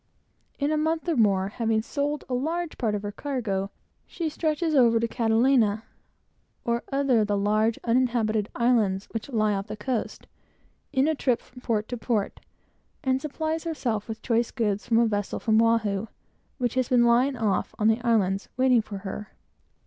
In a month or more, having sold a large part of her cargo, she stretches over to Catalina, or other of the large uninhabited islands which lie off the coast, in a trip from port to port, and supplies herself with choice goods from a vessel from Oahu, which has been lying off and on the islands, waiting for her.